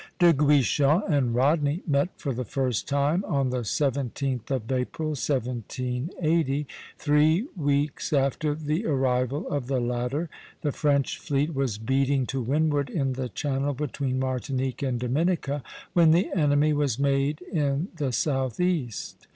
De Guichen and Rodney met for the first time on the 17th of April, 1780, three weeks after the arrival of the latter. The French fleet was beating to windward in the Channel between Martinique and Dominica, when the enemy was made in the southeast.